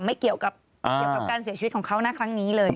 ไม่เกี่ยวกับการเสียชีวิตของเขานะครั้งนี้เลย